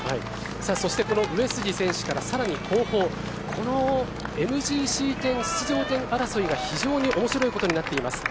そして、この上杉選手からさらに後方このＭＧＣ権出場権争いが非常に面白いことになっています。